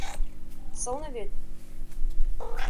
— Сылне вет?